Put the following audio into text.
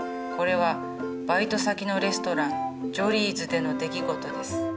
これはバイト先のレストラン「ジョリーズ」での出来事です。